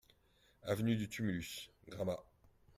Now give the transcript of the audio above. Avenue du Tumulus, Gramat